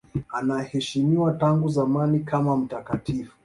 Anaheshimiwa tangu zamani kama mtakatifu.